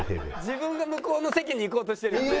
自分が向こうの席に行こうとしてるよね。